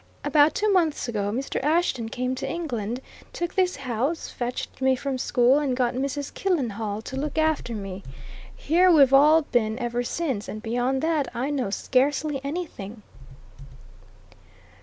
About two months ago Mr. Ashton came to England, took this house, fetched me from school and got Mrs. Killenhall to look after me. Here we've all been ever since and beyond that I know scarcely anything."